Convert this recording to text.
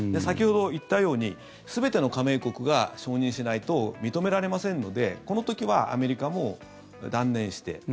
先ほど言ったように全ての加盟国が承認しないと認められませんのでこの時はアメリカも断念して。